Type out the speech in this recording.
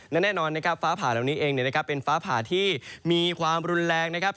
และแน่นอนนะครับฟ้าผ่าเหล่านี้เองเป็นฟ้าผ่าที่มีความรุนแรงนะครับ